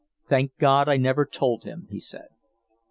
"Thank God I never told him," he said.